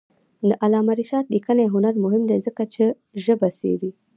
د علامه رشاد لیکنی هنر مهم دی ځکه چې ژبه څېړي.